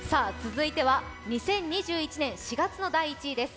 続いては２０２１年４月の第１位です。